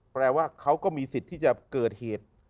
แปลว่าเขาก็มีสิทธิ์ที่จะเกิดเหตุ